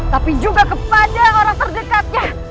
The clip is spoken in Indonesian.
tapi juga kepada orang terdekatnya